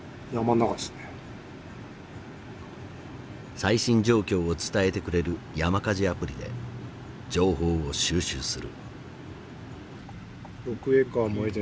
最新状況を伝えてくれる山火事アプリで情報を収集する。